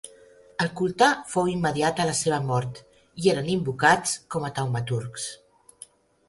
El culte fou immediat a la seva mort, i eren invocats com a taumaturgs.